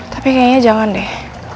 tapi kayaknya jangan deh